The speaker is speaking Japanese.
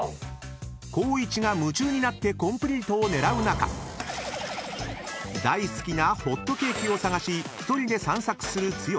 ［光一が夢中になってコンプリートを狙う中大好きなホットケーキを探し１人で散策する剛］